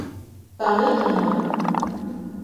Таныйһыңмы?